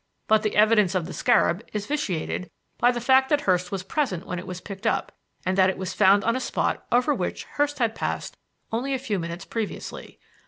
But the evidence of the scarab is vitiated by the fact that Hurst was present when it was picked up, and that it was found on a spot over which Hurst had passed only a few minutes previously.